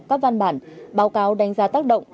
các văn bản báo cáo đánh giá tác động